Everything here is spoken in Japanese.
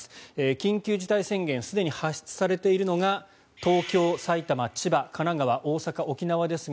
緊急事態宣言すでに発出されているのが東京、埼玉、千葉、神奈川大阪、沖縄ですが